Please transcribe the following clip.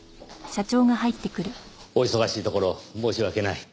お忙しいところ申し訳ない。